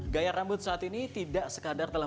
gaya rambut saat ini tidak sekadar telah